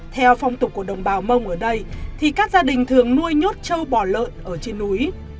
theo phong tục của đồng bào mông ở đây thì các gia đình thường nuôi nhốt trâu bò lợn ở trên núi